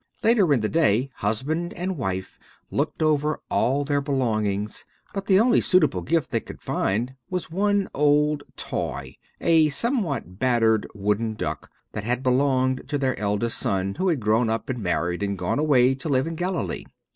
Later in the day husband and wife looked over all their belongings, but the only suitable gift they could find was one old toy, a somewhat battered wooden duck that had belonged to their eldest son, who had grown up and married and gone away to live in Galilee.